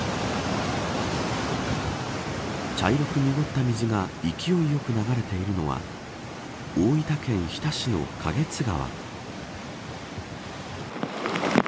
茶色く濁った水が勢いよく流れているのは大分県日田市の花月川。